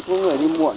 có người đi muộn